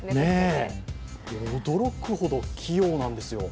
驚くほど器用なんですよ。